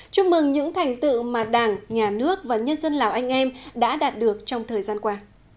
chúc mừng những thành tựu mà đảng nhà nước và nhân dân lào anh em đã đạt được trong thời gian qua